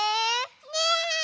ねえ。